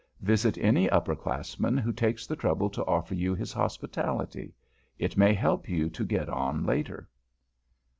Visit any upper classman who takes the trouble to offer you his hospitality. It may help you to get on, later.